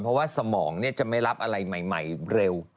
เพราะว่าสมองจะไม่รับอะไรใหม่เร็ว